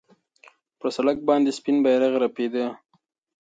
پر سړک باندې سپین بیرغ رپېده.